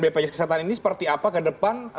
bpjs kesehatan ini seperti apa ke depan